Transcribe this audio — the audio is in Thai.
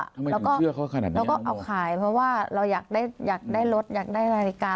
ทำไมเราเชื่อเขาขนาดนั้นเราก็เอาขายเพราะว่าเราอยากได้อยากได้รถอยากได้นาฬิกา